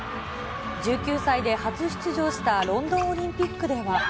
１９歳で初出場したロンドンオリンピックでは。